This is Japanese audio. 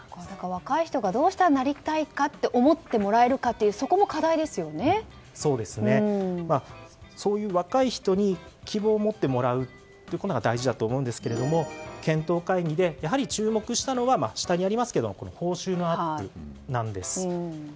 若い人がどうしたらなりたいかとそういう若い人に希望を持ってもらうのが大事だと思うんですけれども検討会議で、やはり注目したのは報酬のアップなんです。